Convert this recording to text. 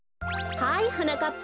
はいはなかっぱ。